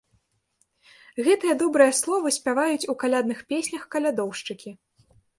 Гэтыя добрыя словы спяваюць у калядных песнях калядоўшчыкі.